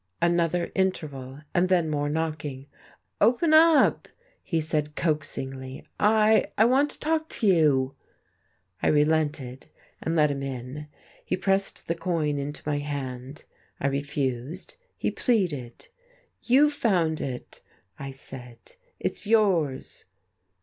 Another interval, and then more knocking. "Open up," he said coaxingly. "I I want to talk to you." I relented, and let him in. He pressed the coin into my hand. I refused; he pleaded. "You found it," I said, "it's yours."